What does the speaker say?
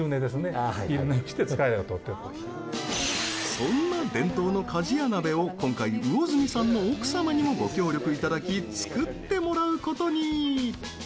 そんな伝統の鍛冶屋鍋を今回、魚住さんの奥様にもご協力いただき作ってもらうことに！